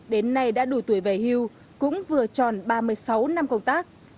đến nay đã đủ tuổi về hưu cũng vừa tròn ba mươi sáu năm công tác